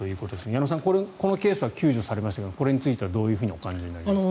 矢野さん、このケースは救助されましたがこのケースについてはどうお感じになりますか？